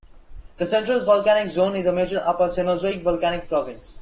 The Central Volcanic Zone is a major upper Cenozoic volcanic province.